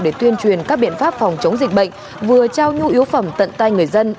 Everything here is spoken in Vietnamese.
để tuyên truyền các biện pháp phòng chống dịch bệnh vừa trao nhu yếu phẩm tận tay người dân